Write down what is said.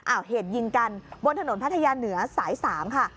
เหตุยิงกันบนถนนพัทยาเหนือสาย๓ค่ะ